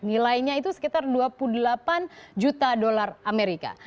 nilainya itu sekitar dua puluh delapan juta dolar amerika